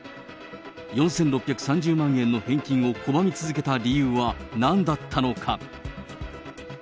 ４６３０万円の返金を拒み続けた理由はなんだったのか。